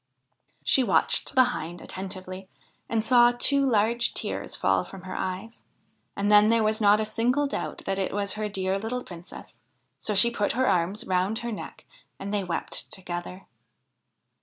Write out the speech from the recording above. She watched the Hind attentively and saw two large tears fall from her eyes, and then there was not a single doubt that it was her dear little Princess ; so she put her arms around her neck, and they wept together.